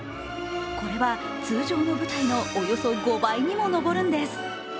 これは通常の舞台のおよそ５倍にも上るんです。